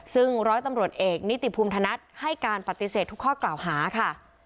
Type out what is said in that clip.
ซึ่งร้อยตำรวจเอกนิติภูมิธนัดให้การปฏิเสธทุกข้อกล่าวหาค่ะ